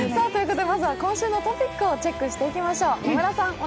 まずは今週のトピックをチェックしていきましょう。